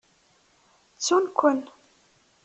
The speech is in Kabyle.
Ttun-ken.